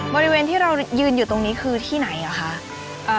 บริเวณที่เรายืนอยู่ตรงนี้คือที่ไหนเหรอคะ